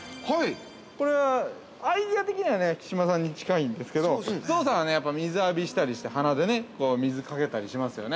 これはアイデア的には、木嶋さんに近いんですけど、象さんは水浴びしたりして、鼻で水かけたりしますよね。